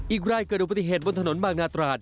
อีกรายเกิดอุบัติเหตุบนถนนบางนาตราด